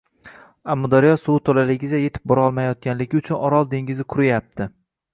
— Amudaryo suvi to‘laligicha yetib borolmayotganligi uchun Orol dengizi quriyapti.